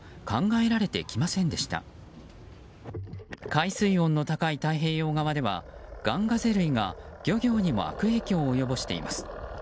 海水温の高い太平洋側ではガンガゼ類が漁業にも悪影響を及ぼしています。